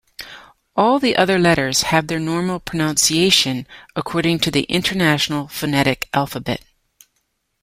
All the other letters have their normal pronunciation according to the International Phonetic Alphabet.